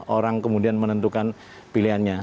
orang kemudian menentukan pilihannya